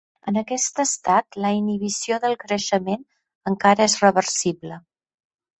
En aquest estat, la inhibició del creixement encara és reversible.